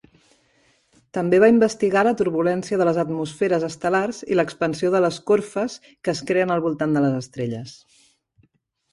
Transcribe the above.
També va investigar la turbulència de les atmosferes estel·lars i l'expansió de les corfes que es creen al voltant de les estrelles.